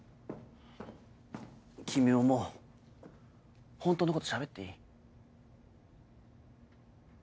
君はもう本当のことしゃべっていい。